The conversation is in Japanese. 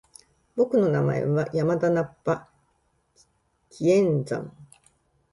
僕の名前は山田ナッパ！気円斬！